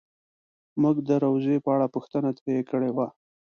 مونږ د روضې په اړه پوښتنه ترې کړې وه.